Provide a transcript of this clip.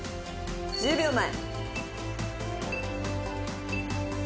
１０秒前。